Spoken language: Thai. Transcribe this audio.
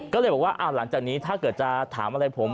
ก็เลยบอกว่าหลังจากนี้ถ้าเกิดจะถามอะไรผม